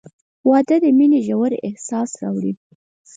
• واده د مینې ژور احساس راوړي.